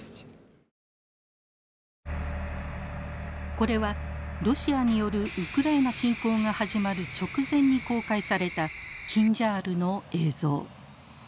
これはロシアによるウクライナ侵攻が始まる直前に公開されたキンジャールの映像。